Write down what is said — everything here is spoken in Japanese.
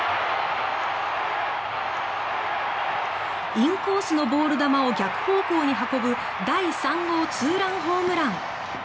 インコースのボール球を逆方向に運ぶ第３号ツーランホームラン。